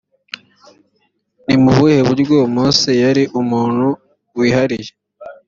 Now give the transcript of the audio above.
ni mu buhe buryo mose yari umuntu wihariye